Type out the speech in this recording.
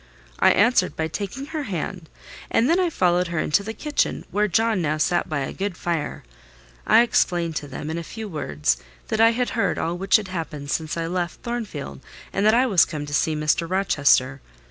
I answered by taking her hand; and then I followed her into the kitchen, where John now sat by a good fire. I explained to them, in few words, that I had heard all which had happened since I left Thornfield, and that I was come to see Mr. Rochester.